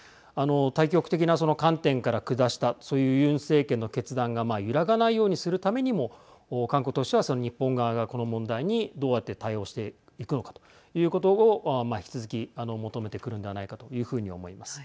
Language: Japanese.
大局的なその観点から下したそういうユン政権の決断が揺らがないようにするためにも韓国としてはその日本側がこの問題にどうやって対応していくのかということを引き続き求めてくるんではないかというふうに思います。